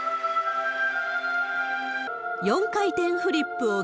４回転フリップ。